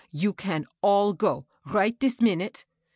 You can all go, — right dish minute.